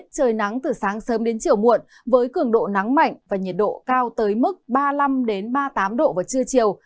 trời nắng từ sáng sớm đến chiều muộn với cường độ nắng mạnh và nhiệt độ cao tới mức ba mươi năm ba mươi tám độ vào trưa chiều